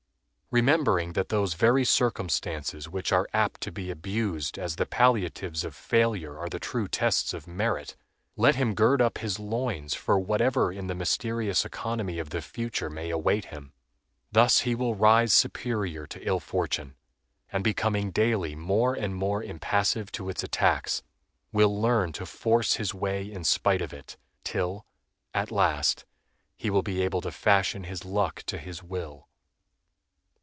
Remembering that those very circumstances which are apt to be abused as the palliatives of failure are the true tests of merit, let him gird up his loins for whatever in the mysterious economy of the future may await him. Thus will he rise superior to ill fortune, and becoming daily more and more impassive to its attacks, will learn to force his way in spite of it, till, at last, he will be able to fashion his luck to his will.